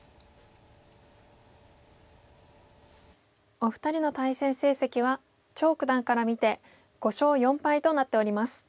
お二人の対戦成績は張九段から見て５勝４敗となっております。